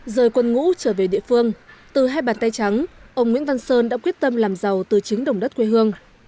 rời quân ngũ trở về địa phương từ hai bàn tay trắng ông nguyễn văn sơn đã quyết tâm làm giàu từ chính đồng đất quê hương